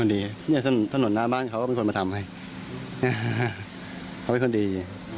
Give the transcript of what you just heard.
นี่คือสนทหนต์น้าบ้านเขาก็เป็นคนมาทำให้เขาเป็นคนดี